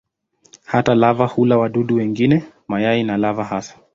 Hata lava hula wadudu wengine, mayai na lava hasa.